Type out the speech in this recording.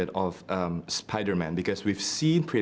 anda tahu mulai dari menunggu lima film sebelumnya